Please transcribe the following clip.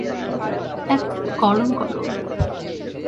একদম গরম গরম।